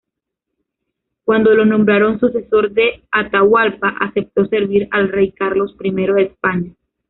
Cuando lo nombraron sucesor de Atahualpa aceptó servir al rey Carlos I de España.